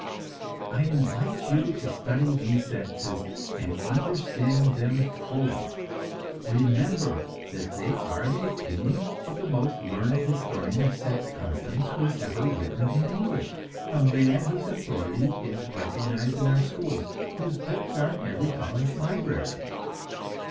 I invite you to study these sentences and understand them fully. Remember that they are the opinion of the most learned historian of sex customs who has ever written in English; a man whose authority is recognized in our schools, whose books are in every college library.